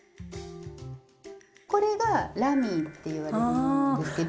これが「ラミー」って言われるものですけど。